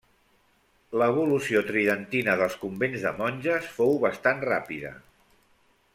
L'evolució tridentina dels convents de monges fou bastant ràpida.